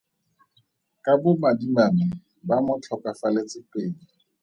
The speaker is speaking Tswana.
Ka bomadimabe ba mo tlhokafaletse pele.